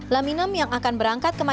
laminem yang akan berangkat kembali